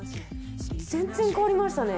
全然変わりましたね。